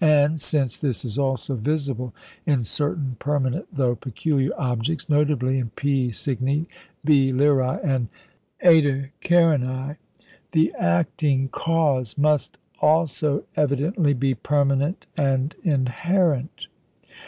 And since this is also visible in certain permanent, though peculiar objects notably in P Cygni, Beta Lyræ, and Eta Carinæ the acting cause must also evidently be permanent and inherent.